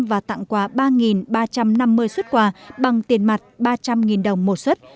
và tặng quà ba ba trăm năm mươi xuất quà bằng tiền mặt ba trăm linh đồng một xuất